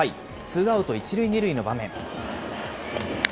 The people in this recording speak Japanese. ツーアウト１塁２塁の場面。